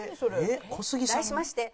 題しまして。